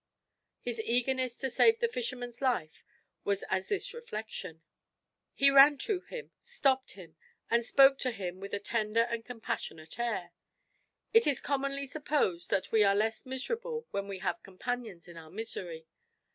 His eagerness to save the fisherman's life was as this reflection. He ran to him, stopped him, and spoke to him with a tender and compassionate air. It is commonly supposed that we are less miserable when we have companions in our misery.